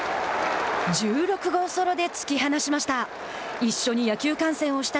１６号ソロで突き放しました。